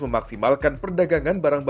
bergabung di level yang sangat serius